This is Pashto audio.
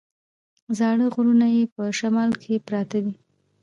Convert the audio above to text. زاړه غرونه یې په شمال کې پراته دي.